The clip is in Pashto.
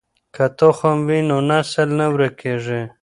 که تخم وي نو نسل نه ورکېږي.